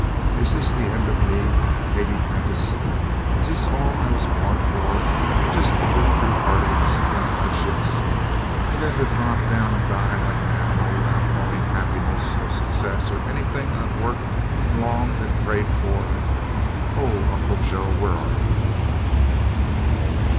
Is this the end of me Katie Prentice? Is this all I was born for just to live through heartaches and hardships, and then to drop down and die like an animal without knowing happiness or success or anything I've worked and longed and prayed for? Oh, Uncle Joe, where are you?"